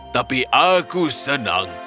tapi aku senang